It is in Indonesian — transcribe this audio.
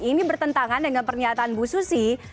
ini bertentangan dengan pernyataan bu susi